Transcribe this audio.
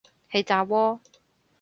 氣炸鍋